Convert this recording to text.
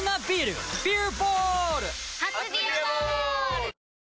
初「ビアボール」！